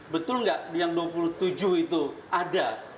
betul nggak yang dua puluh tujuh itu ada